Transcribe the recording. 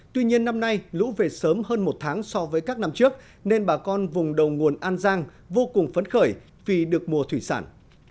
tuy nhiên năm nay lũ về sớm hơn một tháng so với các năm trước nên bà con vùng đầu nguồn an giang vô cùng phấn khởi vì được mùa thủy sản